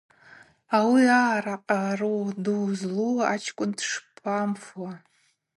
Ари аъара къару ду злу – ачкӏвын дшпамфуа?